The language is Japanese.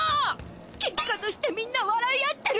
結果としてみんな笑いあってる。